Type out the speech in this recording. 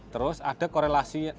terus ada korelasi